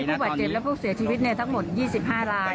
ผู้บาดเจ็บและผู้เสียชีวิตทั้งหมด๒๕ราย